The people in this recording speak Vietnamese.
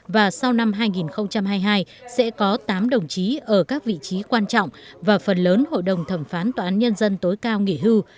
và sau năm hai nghìn hai mươi hai sẽ có tám đồng chí ở các vị trí quan trọng và phần lớn hội đồng thẩm phán tòa án nhân dân tối cao nghỉ hưu